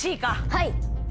はい。